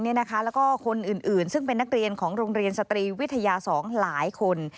แล้วก็คนอื่นซึ่งเป็นนักเรียนของโรงเรียนสตรีวิทยา๒หลายคน